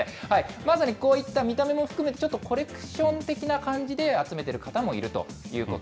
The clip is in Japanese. まさにこういった見た目も含めて、コレクション的な感じで集めている方もいるということ。